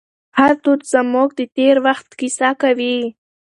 هر دود زموږ د تېر وخت کیسه کوي.